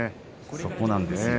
そこなんですよ。